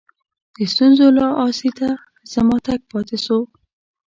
د ستونزو له آسیته زما تګ پاته سو.